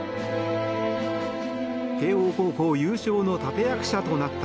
慶応高校優勝の立役者となった